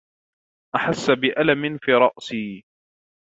أحس بألم في رأسي.